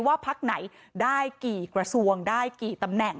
พักไหนได้กี่กระทรวงได้กี่ตำแหน่ง